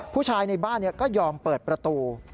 ผู้ชายในบ้านก็ยอมเปิดประตู